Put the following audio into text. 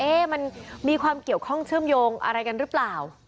มันมีความเกี่ยวข้องเชื่อมโยงอะไรกันหรือเปล่า